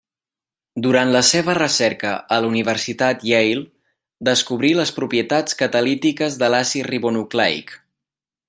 Durant la seva recerca a la Universitat Yale descobrí les propietats catalítiques de l'àcid ribonucleic.